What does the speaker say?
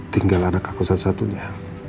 tinggal anak aku satu satunya